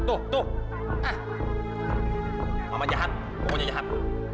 tuh ah mama jahat pokoknya jahat